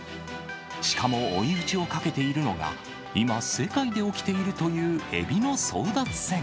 しかも追い打ちをかけているのが、今、世界で起きているというエビの争奪戦。